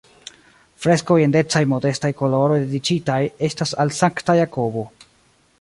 Freskoj en decaj-modestaj koloroj dediĉitaj estas al Sankta Jakobo.